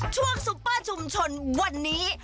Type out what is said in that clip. ซุปเปอร์ชุมชนวันนี้